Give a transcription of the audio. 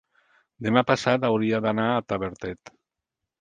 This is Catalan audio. demà passat hauria d'anar a Tavertet.